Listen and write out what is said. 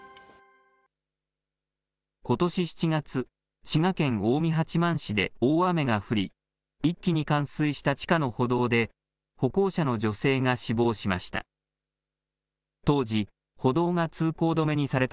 ことし７月、滋賀県近江八幡市で大雨が降り、一気に冠水した地下の歩道で歩行者の女性が死亡しました。